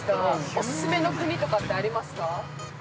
おすすめの国とかってありますか。